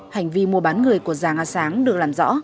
hành vi mua bán người của già nga sáng được làm rõ